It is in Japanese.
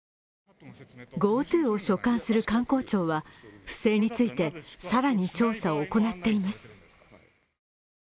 ＧｏＴｏを所管する観光庁は不正について更に調査を行っています。